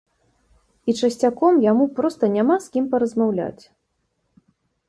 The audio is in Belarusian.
І часцяком яму проста няма з кім паразмаўляць.